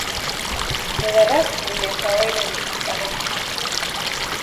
Lugha rasmi na ya kawaida ni Kifaransa.